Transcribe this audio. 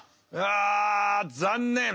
あ残念！